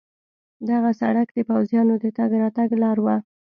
دغه سړک د پوځیانو د تګ راتګ لار وه.